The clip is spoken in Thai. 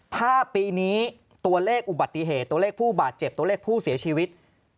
ถ้าปีนี้ตัวเลขอุบัติเหตุตัวเลขผู้บาดเจ็บตัวเลขผู้เสียชีวิต